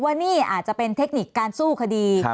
ว่านี่อาจจะเป็นเทคนิคการสู้คดี